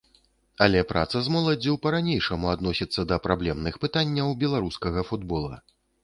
Але праца з моладдзю па-ранейшаму адносіцца да праблемных пытанняў беларускага футбола.